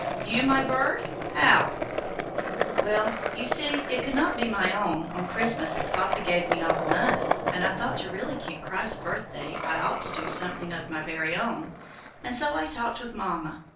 "You, my bird; how?" "Well, you see, it could not be my own, own Christmas if Papa gave me all the money, and I thought to really keep Christ's birthday I ought to do something of my very own; and so I talked with Mama.